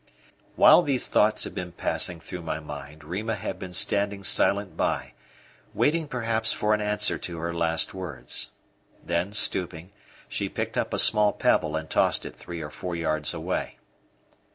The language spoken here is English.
While these thoughts had been passing through my mind, Rima had been standing silent by, waiting, perhaps, for an answer to her last words. Then stooping, she picked up a small pebble and tossed it three or four yards away.